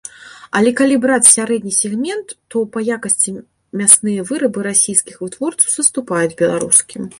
Але калі браць сярэдні сегмент, то па якасці мясныя вырабы расійскіх вытворцаў саступаюць беларускім.